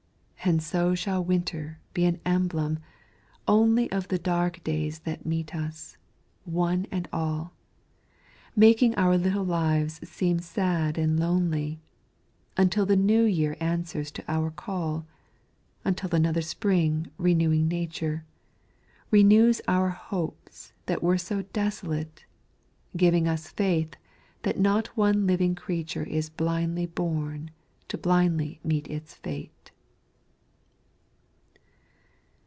And so shall Winter be an emblem only Of the dark days that meet us, one and all, Making our little lives seem sad and lonely, Until the New Year answers to our call, Until another Spring renewing Nature; Renews our hopes that were so desolate Giving us faith that not one living creature Is blindly born to blindly meet its fate.